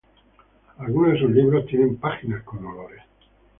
Algunos de sus libros tienen páginas con olores.